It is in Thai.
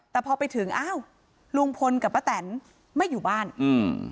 แต่พอไปถึงอ้าวลุงพลกับป้าแตนไม่อยู่บ้านอืม